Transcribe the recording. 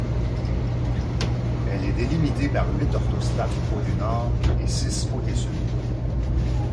Elle est délimitée par huit orthostates côtés nord et six côté sud.